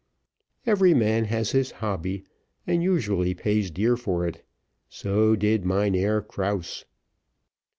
Every man has his hobby, and usually pays dear for it, so did Mynheer Krause.